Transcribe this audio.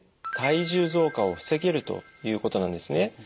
体重増加を防げるということなんですね。